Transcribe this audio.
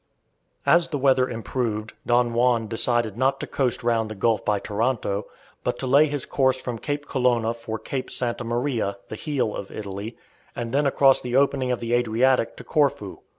As the weather improved, Don Juan decided not to coast round the Gulf by Taranto, but to lay his course from Cape Colonna for Cape Santa Maria (the heel of Italy), and then across the opening of the Adriatic to Corfu.